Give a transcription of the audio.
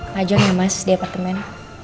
maju aja mas di apartemen